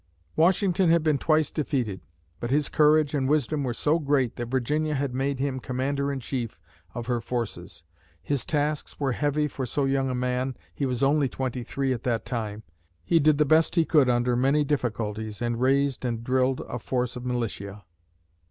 Washington had been twice defeated, but his courage and wisdom were so great that Virginia had made him Commander in Chief of her forces. His tasks were heavy for so young a man he was only twenty three at that time! He did the best he could under many difficulties and raised and drilled a force of militia.